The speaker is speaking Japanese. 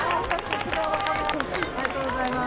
ありがとうございます。